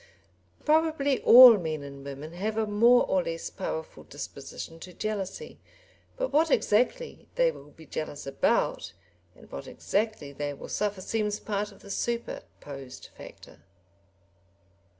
Probably all men and women have a more or less powerful disposition to jealousy, but what exactly they will be jealous about and what exactly they will suffer seems part of the superposed factor.